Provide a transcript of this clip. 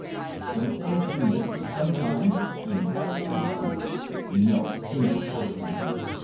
"Don't they do mischief sometimes?" he inquired of Antonio. "No; him a cowardly beast.